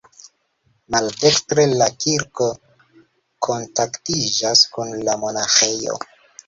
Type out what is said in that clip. Maldekstre la kirko kontaktiĝas kun la monaĥejo.